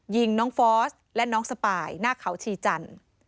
ยิงน้องฟอสและน้องสปายหน้าเขาชีจันทร์